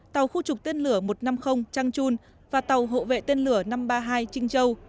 tàu khu trục tên lửa một trăm năm mươi trang chun và tàu hộ vệ tên lửa năm trăm ba mươi hai trinh châu